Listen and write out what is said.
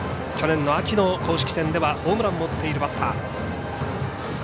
去年の秋の公式戦ではホームランも打っているバッター。